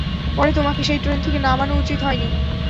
পরে তোমাকে সেই ট্রেন থেকে নামানো উচিত হয় নি।